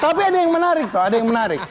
tapi ada yang menarik tuh ada yang menarik